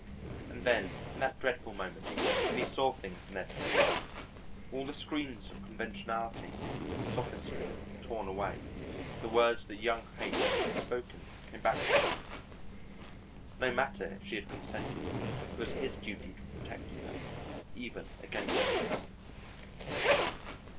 And then in that dreadful moment when he saw things in their true light, all the screens of conventionality and sophistry torn away, the words that young Haight had spoken came back to him. No matter if she had consented, it was his duty to have protected her, even against herself.